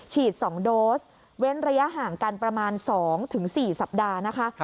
ฉีด๒โดสเว้นระยะห่างกันประมาณ๒๔สัปดาห์นะคะ